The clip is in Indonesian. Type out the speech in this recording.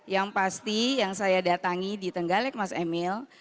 yang pasti yang saya datangi di tenggalek mas emil